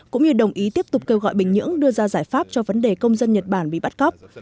cũng như đồng ý tiếp tục kêu gọi bình nhưỡng đưa ra giải pháp cho vấn đề công dân nhật bản bị bắt cóc